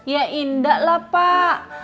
ya indah lah pak